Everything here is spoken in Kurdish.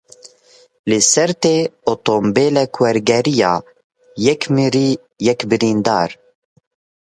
Li Sêrtê otomobîlek wergeriya yek mirî, yek birîndar.